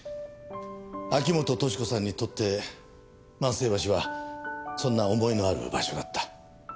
秋本敏子さんにとって万世橋はそんな思いのある場所だった。